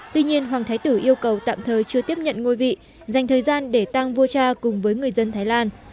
tuy nhiên hoàng thái tử yêu cầu tạm thời chưa tiếp nhận ngôi vị dành thời gian để tăng vua cha cùng với người dân thái lan